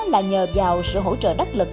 là nhờ vào sự hỗ trợ đắc lực